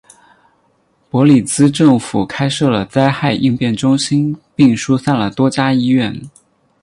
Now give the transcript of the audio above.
伯利兹政府开设了灾害应变中心并疏散了多家医院。